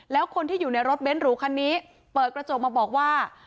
แล้วคนที่อยู่ในรถเบ้นหรูคันนี้เปิดกระจกมาบอกว่า